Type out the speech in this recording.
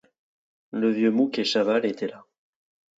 Le vieux Mouque et Chaval étaient là.